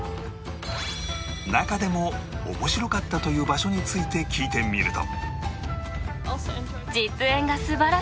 中でも面白かったという場所について聞いてみると